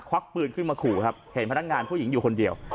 วักปืนขึ้นมาขู่ครับเห็นพนักงานผู้หญิงอยู่คนเดียว